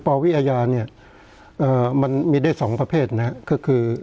ปรวิยาเนี่ยมันมีได้สองประเภทนะคือ